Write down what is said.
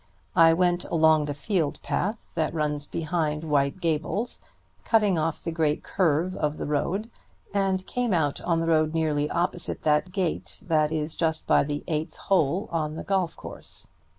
I went along the field path that runs behind White Gables, cutting off the great curve of the road, and came out on the road nearly opposite that gate that is just by the eighth hole on the golf course.